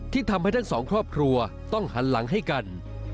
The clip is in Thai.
ทำให้ทั้งสองครอบครัวต้องหันหลังให้กัน